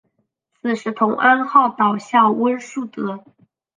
此时同安号倒向温树德。